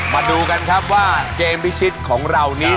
มาดูกันครับว่าเกมพิชิตของเรานี้